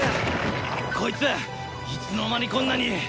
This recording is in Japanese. こいついつの間にこんなに！